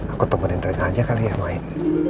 aku temenin rena aja kali ya main